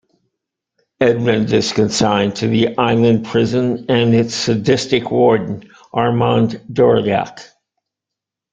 Edmond is consigned to the island prison and its sadistic warden, Armand Dorleac.